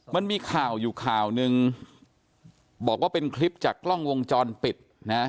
มันมีข่าวอยู่ข่าวนึงบอกว่าเป็นคลิปจากกล้องวงจรปิดนะ